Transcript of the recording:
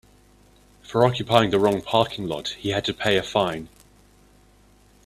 For occupying the wrong parking lot he had to pay a fine.